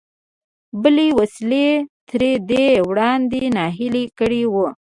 بلې وسيلې تر دې وړاندې ناهيلی کړی و.